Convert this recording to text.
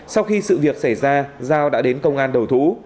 sau khi sự việc xảy ra giao đã đến công an đầu thú